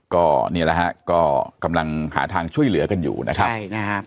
ก็นี่แหละฮะก็กำลังหาทางช่วยเหลือกันอยู่นะครับใช่นะฮะ